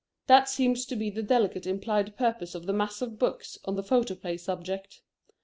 That seems to be the delicately implied purpose of the mass of books on the photoplay subject.